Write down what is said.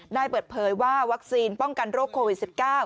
ได้เปิดเผยว่าวัคซีนป้องกันโรคโควิด๑๙